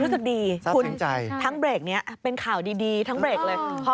รู้สึกดีคุณทั้งเบรกนี้เป็นข่าวดีทั้งเบรกเลย